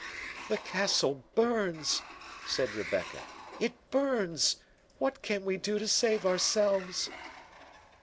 "The castle burns," said Rebecca; "it burns!—What can we do to save ourselves?"